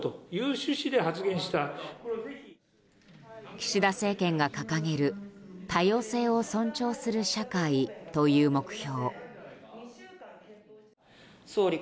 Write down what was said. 岸田政権が掲げる、多様性を尊重する社会という目標。